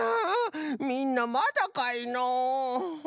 みんなまだかいのう？